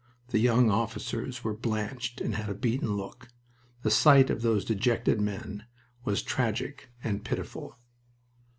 The young officers were blanched and had a beaten look. The sight of those dejected men was tragic and pitiful.